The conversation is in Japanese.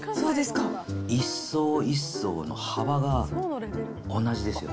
一層一層の幅が同じですよ。